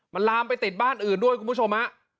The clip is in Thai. มันลามไปติดบ้านอื่นด้วยคุณผู้ชมฮะ